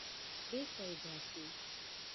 بېرته یې باسي.